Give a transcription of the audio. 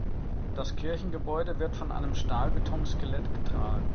Das Kirchengebäude wird von einem Stahlbetonskelett getragen.